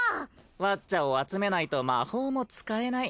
ワッチャを集めないと魔法も使えない。